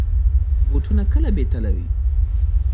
بوټونه کله بې تله وي.